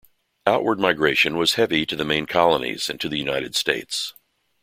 Outward migration was heavy to the main colonies and to the United States.